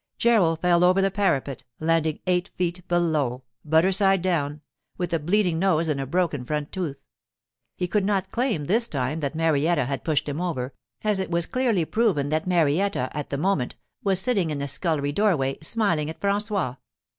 Gerald fell over the parapet, landing eight feet below—butter side down—with a bleeding nose and a broken front tooth. He could not claim this time that Marietta had pushed him over, as it was clearly proven that Marietta, at the moment, was sitting in the scullery doorway, smiling at François.